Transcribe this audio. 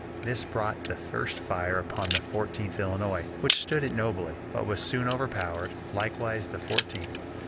This brought the first fire upon the Fifteenth Illinois, which stood it nobly, but was soon overpowered; likewise, the Fourteenth.